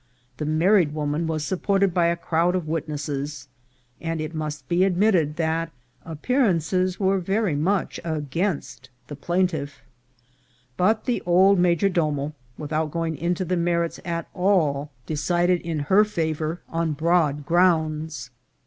The married woman was supported by a crowd of witnesses, and it must be admitted that appearances were very much against the plaintiff; but the old major domo, without going into the merits at all, decided in her fa VOL. II.— 3 G 418 INCIDENTS OF TRAVEL. vour on broad grounds.